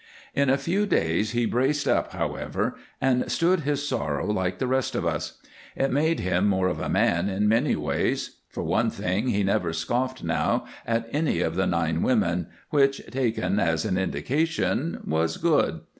In a few days he braced up, however, and stood his sorrow like the rest of us. It made him more of a man in many ways. For one thing, he never scoffed now at any of the nine women, which, taken as an indication, was good.